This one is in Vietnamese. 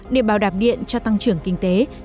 để bảo đạp điện cho tăng trưởng kinh tế